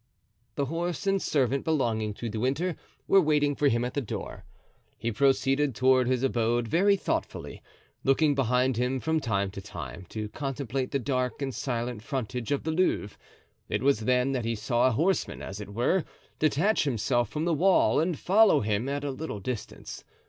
The horse and servant belonging to De Winter were waiting for him at the door; he proceeded toward his abode very thoughtfully, looking behind him from time to him to contemplate the dark and silent frontage of the Louvre. It was then that he saw a horseman, as it were, detach himself from the wall and follow him at a little distance.